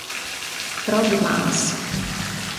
Rob Maas